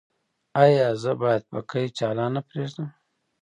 ایا زه باید پکۍ چالانه پریږدم؟